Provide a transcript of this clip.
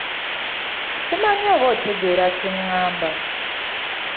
Simanyi oba otegeera kye ngamba.